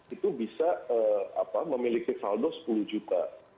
itu bisa memiliki saldo sepuluh juta